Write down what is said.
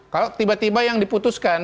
kalau tiba tiba yang diputuskan